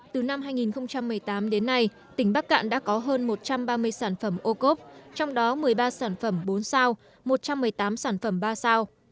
từ năm hai nghìn một mươi tám đến nay tỉnh bắc cạn đã có hơn một trăm ba mươi sản phẩm ô cốp trong đó một mươi ba sản phẩm bốn sao một trăm một mươi tám sản phẩm ba sao